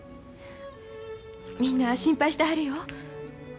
みんな心配してはるよ。